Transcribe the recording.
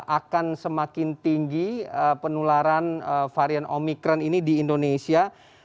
akan semakin tinggi penularan varian omikron ini di indonesia